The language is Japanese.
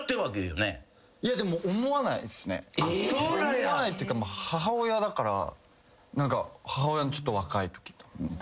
思わないっていうか母親だから母親のちょっと若いとき。